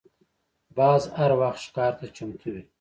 باز هر وخت ښکار ته چمتو وي